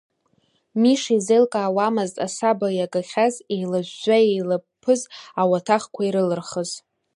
Миша изеилкаауамызт асаба иагахьаз, еилажәжәа-еилаԥԥыз ауаҭахқәа ирылырхыз.